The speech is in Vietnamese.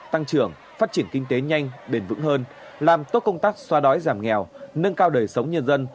tăng trưởng phát triển kinh tế nhanh bền vững hơn làm tốt công tác xoa đói giảm nghèo nâng cao đời sống nhân dân